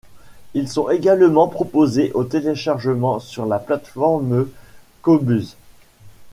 Ils sont également proposés au téléchargement sur la plateforme Qobuz.